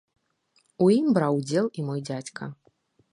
У ім браў удзел і мой дзядзька.